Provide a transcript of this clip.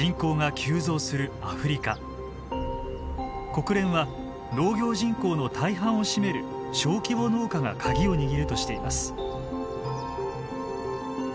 国連は農業人口の大半を占める小規模農家が鍵を握るとしています。